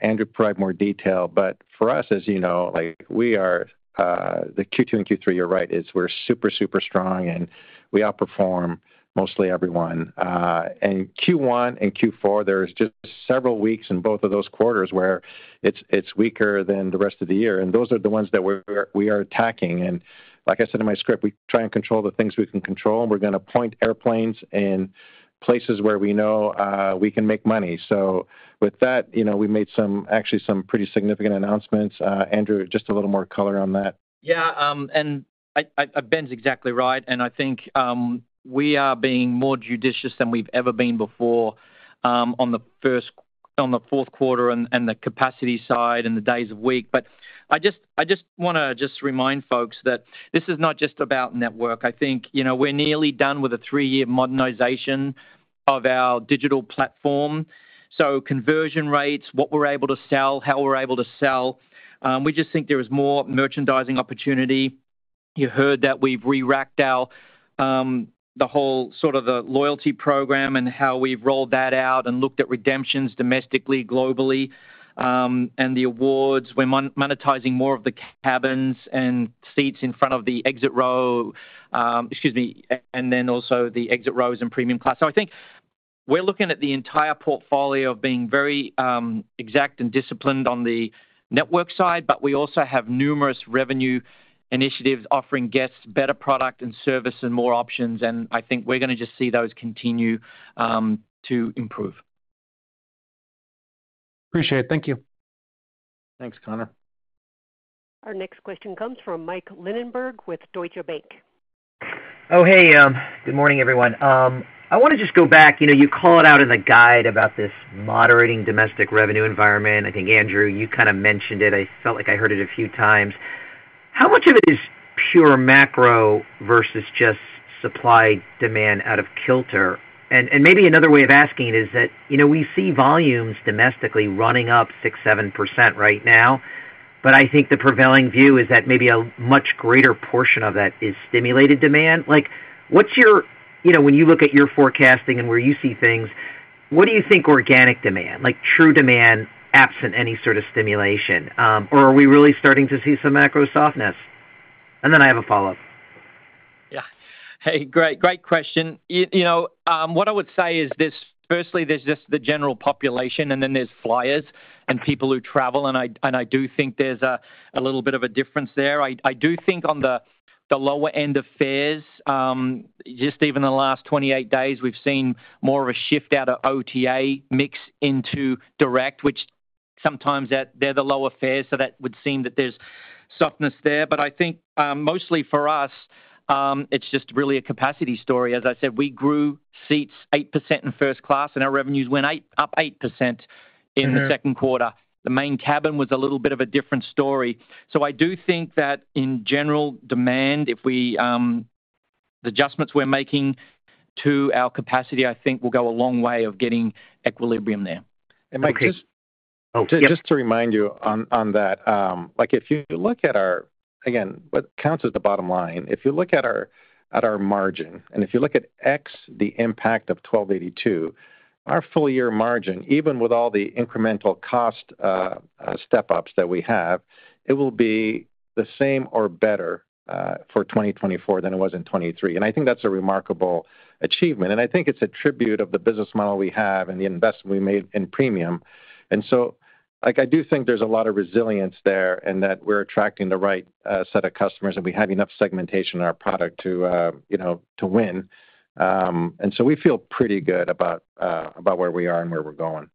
Andrew provide more detail, but for us, as you know, like, we are, the Q2 and Q3, you're right, is we're super, super strong, and we outperform mostly everyone. And Q1 and Q4, there's just several weeks in both of those quarters where it's weaker than the rest of the year, and those are the ones that we're attacking. And like I said in my script, we try and control the things we can control. We're gonna point airplanes in places where we know, we can make money. So with that, you know, we made some, actually some pretty significant announcements. Andrew, just a little more color on that.
Yeah, and I, Ben's exactly right, and I think we are being more judicious than we've ever been before on the fourth quarter and the capacity side and the days of week. But I just wanna remind folks that this is not just about network. I think, you know, we're nearly done with a three-year modernization of our digital platform. So conversion rates, what we're able to sell, how we're able to sell, we just think there is more merchandising opportunity. You heard that we've re-racked our whole sort of the loyalty program and how we've rolled that out and looked at redemptions domestically, globally, and the awards. We're monetizing more of the cabins and seats in front of the exit row. Excuse me, and then also the exit rows and premium class. I think we're looking at the entire portfolio of being very exact and disciplined on the network side, but we also have numerous revenue initiatives offering guests better product and service and more options, and I think we're gonna just see those continue to improve.
Appreciate it. Thank you.
Thanks, Connor.
Our next question comes from Mike Linenberg with Deutsche Bank.
Oh, hey, good morning, everyone. I wanna just go back. You know, you call it out in the guide about this moderating domestic revenue environment. I think, Andrew, you kind of mentioned it. I felt like I heard it a few times. How much of it is pure macro versus just supply-demand out of kilter? And maybe another way of asking it is that, you know, we see volumes domestically running up 6%-7% right now, but I think the prevailing view is that maybe a much greater portion of that is stimulated demand. Like, what's your... You know, when you look at your forecasting and where you see things, what do you think organic demand, like, true demand, absent any sort of stimulation? Or are we really starting to see some macro softness? And then I have a follow-up.
Yeah. Hey, great, great question. You know, what I would say is this, firstly, there's just the general population, and then there's flyers and people who travel, and I, and I do think there's a little bit of a difference there. I do think on the lower end of fares, just even in the last 28 days, we've seen more of a shift out of OTA mix into direct, which sometimes that they're the lower fares, so that would seem that there's softness there. But I think, mostly for us, it's just really a capacity story. As I said, we grew seats 8% in first class, and our revenues went up 8% in the second quarter. The main cabin was a little bit of a different story. I do think that in general, demand the adjustments we're making to our capacity, I think will go a long way of getting equilibrium there.
And Mike, just-
Oh, yep.
Just to remind you on that, like, if you look at our... Again, what counts as the bottom line, if you look at our margin, and if you look at ex, the impact of 1282, our full-year margin, even with all the incremental cost step-ups that we have, it will be the same or better for 2024 than it was in 2023. And I think that's a remarkable achievement, and I think it's a tribute of the business model we have and the investment we made in premium. And so, like, I do think there's a lot of resilience there, and that we're attracting the right set of customers, and we have enough segmentation in our product to, you know, to win. And so we feel pretty good about where we are and where we're going....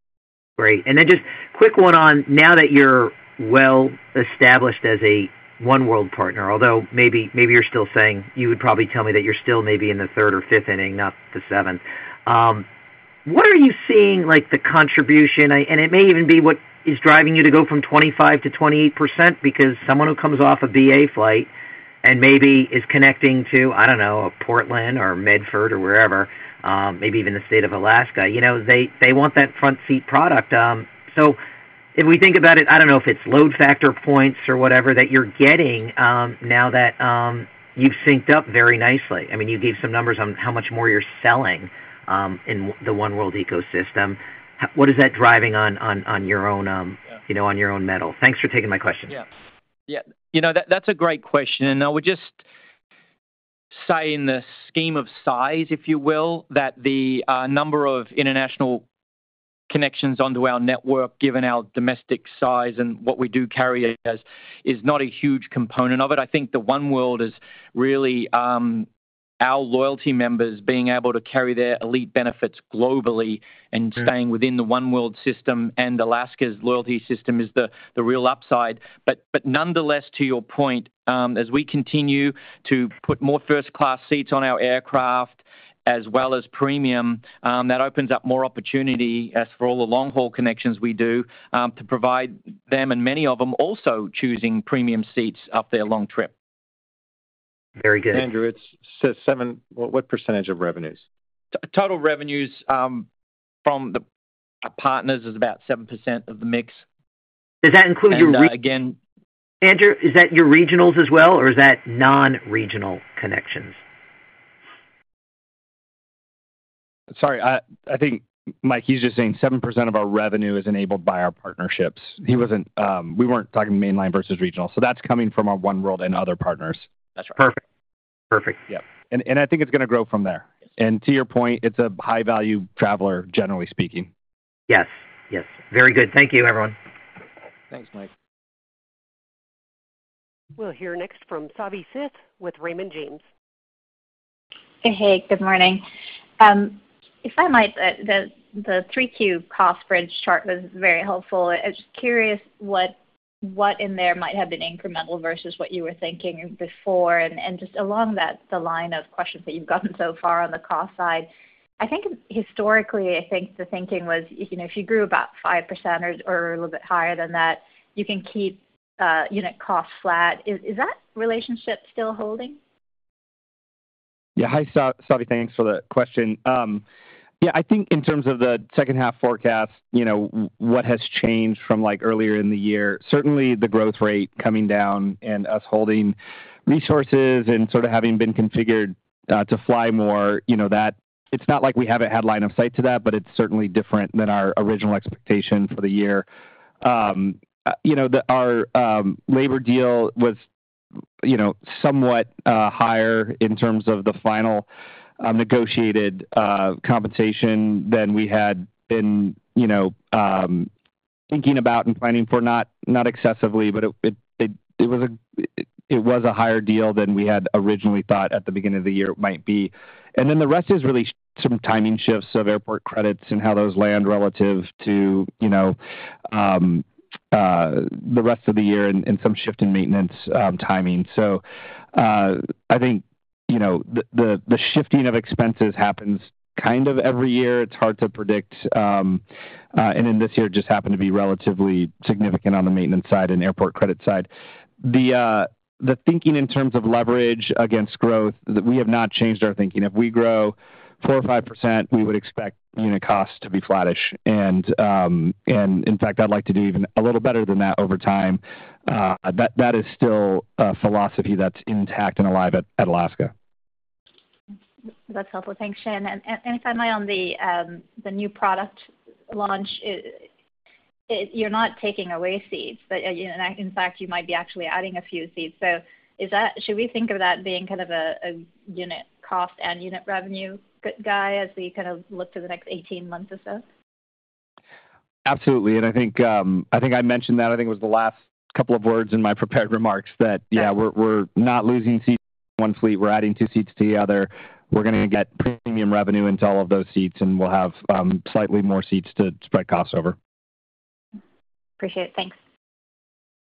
Great. And then just quick one on, now that you're well established as a Oneworld partner, although maybe, maybe you're still saying you would probably tell me that you're still maybe in the third or fifth inning, not the seventh. What are you seeing, like, the contribution? And it may even be what is driving you to go from 25%-28%, because someone who comes off a BA flight and maybe is connecting to, I don't know, Portland or Medford or wherever, maybe even the state of Alaska, you know, they, they want that front seat product. So if we think about it, I don't know if it's load factor points or whatever that you're getting, now that you've synced up very nicely. I mean, you gave some numbers on how much more you're selling in the Oneworld ecosystem. What is that driving on your own, you know, on your own metal? Thanks for taking my question.
Yeah. Yeah. You know, that, that's a great question, and I would just say in the scheme of size, if you will, that the number of international connections onto our network, given our domestic size and what we do carry as, is not a huge component of it. I think the One-worlder is really our loyalty members being able to carry their elite benefits globally and staying within the One-worlder system, and Alaska's loyalty system is the, the real upside. But nonetheless, to your point, as we continue to put more first class seats on our aircraft as well as premium, that opens up more opportunity as for all the long-haul connections we do to provide them, and many of them also choosing premium seats up their long trip.
Very good.
Andrew, it says 7... What, what percentage of revenues?
Total revenues from the partners is about 7% of the mix.
Does that include your re-
And again-
Andrew, is that your regionals as well, or is that non-regional connections?
Sorry, I think, Mike, he's just saying 7% of our revenue is enabled by our partnerships. He wasn't, we weren't talking mainline versus regional, so that's coming from our Oneworld and other partners.
That's right.
Perfect. Perfect.
Yeah, and, and I think it's gonna grow from there.
Yes.
To your point, it's a high-value traveler, generally speaking.
Yes, yes. Very good. Thank you, everyone.
Thanks, Mike.
We'll hear next from Savi Syth with Raymond James.
Hey, good morning. If I might, the 3Q cost bridge chart was very helpful. I'm just curious what in there might have been incremental versus what you were thinking before. And just along that, the line of questions that you've gotten so far on the cost side, I think historically, I think the thinking was, you know, if you grew about 5% or a little bit higher than that, you can keep unit costs flat. Is that relationship still holding?
Yeah. Hi, Savi. Thanks for the question. Yeah, I think in terms of the second half forecast, you know, what has changed from, like, earlier in the year, certainly the growth rate coming down and us holding resources and sort of having been configured to fly more, you know, that it's not like we haven't had line of sight to that, but it's certainly different than our original expectation for the year. You know, our labor deal was, you know, somewhat higher in terms of the final negotiated compensation than we had been, you know, thinking about and planning for. Not excessively, but it was a higher deal than we had originally thought at the beginning of the year it might be. And then the rest is really some timing shifts of airport credits and how those land relative to, you know, the rest of the year and, and some shift in maintenance, timing. So, I think, you know, the shifting of expenses happens kind of every year. It's hard to predict, and then this year it just happened to be relatively significant on the maintenance side and airport credit side. The thinking in terms of leverage against growth, we have not changed our thinking. If we grow 4% or 5%, we would expect unit costs to be flattish. And in fact, I'd like to do even a little better than that over time. That is still a philosophy that's intact and alive at Alaska.
That's helpful. Thanks, Shane. And if I may, on the new product launch, You're not taking away seats, but, you know, in fact, you might be actually adding a few seats. So is that should we think of that being kind of a unit cost and unit revenue guy, as we kind of look to the next 18 months or so?
Absolutely, and I think, I think I mentioned that. I think it was the last couple of words in my prepared remarks that, yeah, we're, we're not losing seats one fleet. We're adding 2 seats to the other. We're gonna get premium revenue into all of those seats, and we'll have, slightly more seats to spread costs over.
Appreciate it. Thanks.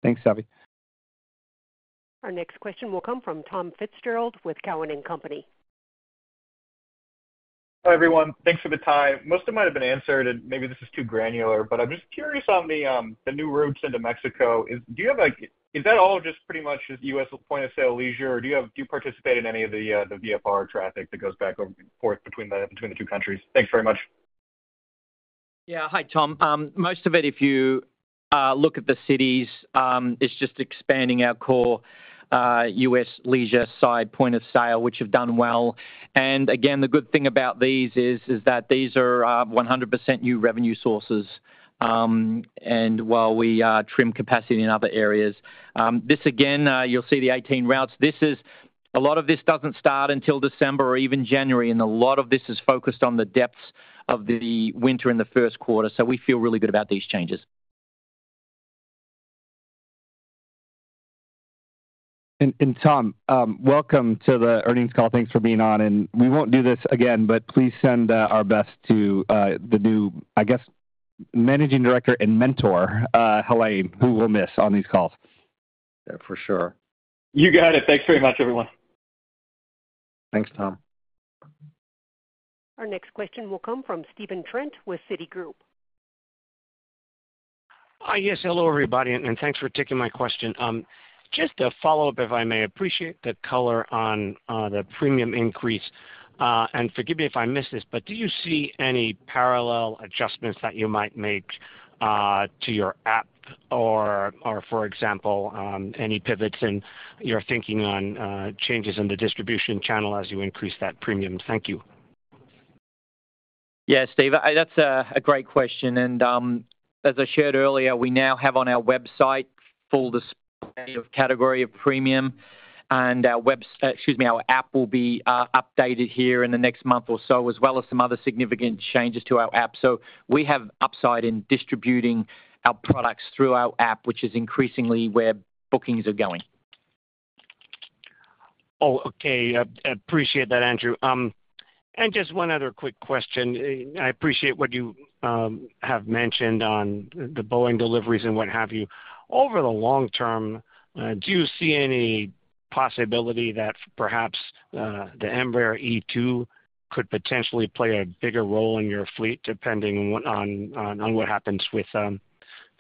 Thanks, Savi.
Our next question will come from Tom Fitzgerald with Cowen and Company.
Hi, everyone. Thanks for the time. Most of them might have been answered, and maybe this is too granular, but I'm just curious on the new routes into Mexico. Is that all just pretty much US point-of-sale leisure, or do you participate in any of the VFR traffic that goes back and forth between the two countries? Thanks very much.
Yeah. Hi, Tom. Most of it, if you look at the cities, it's just expanding our core U.S. leisure side point of sale, which have done well. And again, the good thing about these is that these are 100% new revenue sources, and while we trim capacity in other areas. This, again, you'll see the 18 routes. This is... A lot of this doesn't start until December or even January, and a lot of this is focused on the depths of the winter and the first quarter, so we feel really good about these changes. ...
And Tom, welcome to the earnings call. Thanks for being on, and we won't do this again, but please send our best to the new, I guess, managing director and mentor, Helaine, who we'll miss on these calls.
For sure.
You got it. Thanks very much, everyone.
Thanks, Tom.
Our next question will come from Stephen Trent with Citigroup.
Yes, hello, everybody, and thanks for taking my question. Just a follow-up, if I may. Appreciate the color on the premium increase. And forgive me if I missed this, but do you see any parallel adjustments that you might make to your app or, for example, any pivots in your thinking on changes in the distribution channel as you increase that premium? Thank you.
Yeah, Steve, that's a great question, and as I shared earlier, we now have on our website full display of category of premium, and excuse me, our app will be updated here in the next month or so, as well as some other significant changes to our app. So we have upside in distributing our products through our app, which is increasingly where bookings are going.
Oh, okay. Appreciate that, Andrew. And just one other quick question. I appreciate what you have mentioned on the Boeing deliveries and what have you. Over the long term, do you see any possibility that perhaps the Embraer E2 could potentially play a bigger role in your fleet, depending on what happens with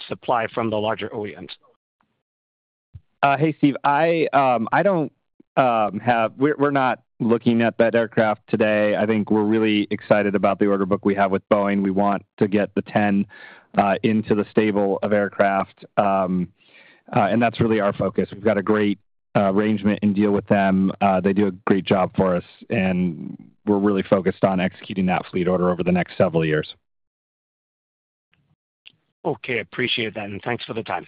supply from the larger OEMs?
Hey, Steve. We're not looking at that aircraft today. I think we're really excited about the order book we have with Boeing. We want to get the 10into the stable of aircraft, and that's really our focus. We've got a great arrangement and deal with them. They do a great job for us, and we're really focused on executing that fleet order over the next several years.
Okay, appreciate that, and thanks for the time.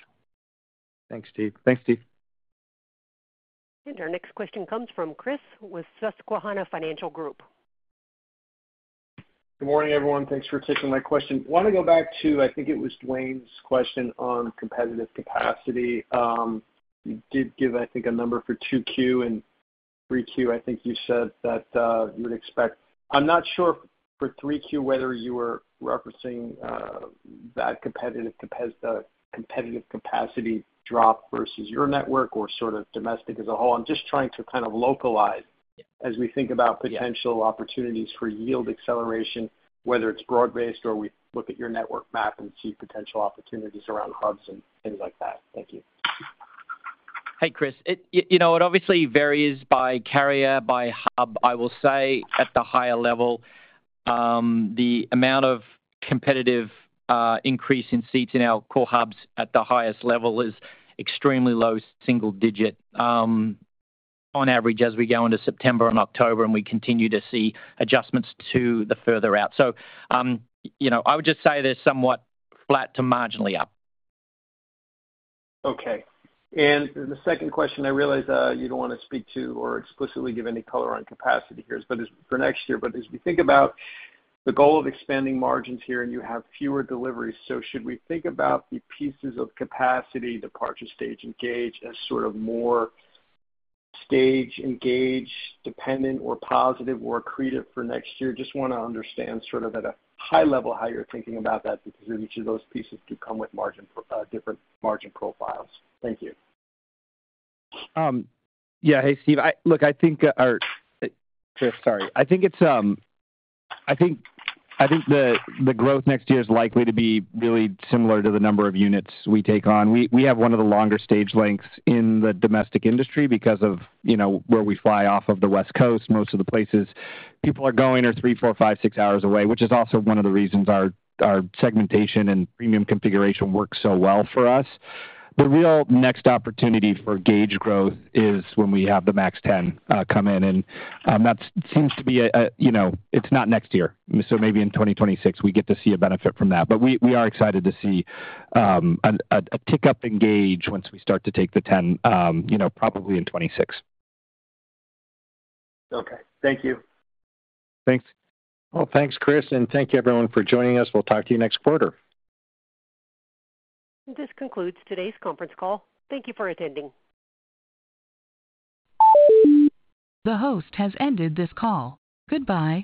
Thanks, Steve.
Thanks, Steve.
Our next question comes from Chris with Susquehanna Financial Group.
Good morning, everyone. Thanks for taking my question. I wanna go back to, I think it was Duane's question on competitive capacity. You did give, I think, a number for 2Q and 3Q. I think you said that you would expect... I'm not sure for 3Q, whether you were referencing that competitive capacity drop versus your network or sort of domestic as a whole. I'm just trying to kind of localize as we think about-
Yeah.
Potential opportunities for yield acceleration, whether it's broad-based or we look at your network map and see potential opportunities around hubs and things like that. Thank you.
Hey, Chris. You know, it obviously varies by carrier, by hub. I will say, at the higher level, the amount of competitive increase in seats in our core hubs at the highest level is extremely low single digit, on average, as we go into September and October, and we continue to see adjustments to the further out. So, you know, I would just say they're somewhat flat to marginally up.
Okay. And the second question, I realize you don't wanna speak to or explicitly give any color on capacity here, but as for next year, but as we think about the goal of expanding margins here, and you have fewer deliveries, so should we think about the pieces of capacity, departure, stage, and gauge as sort of more stage- and gauge-dependent or positive or accretive for next year? Just wanna understand, sort of at a high level, how you're thinking about that, because each of those pieces do come with different margin profiles. Thank you.
Yeah. Hey, Steve, look, I think, or Chris, sorry. I think it's, I think the growth next year is likely to be really similar to the number of units we take on. We have one of the longer stage lengths in the domestic industry because of, you know, where we fly off of the West Coast. Most of the places people are going are three, four, five, six hours away, which is also one of the reasons our segmentation and premium configuration works so well for us. The real next opportunity for gauge growth is when we have the MAX 10 come in, and that seems to be a, you know, it's not next year, so maybe in 2026, we get to see a benefit from that. But we are excited to see a tick up in gauge once we start to take the 10, you know, probably in 2026.
Okay. Thank you.
Thanks. Well, thanks, Chris, and thank you everyone for joining us. We'll talk to you next quarter.
This concludes today's conference call. Thank you for attending.
The host has ended this call. Goodbye.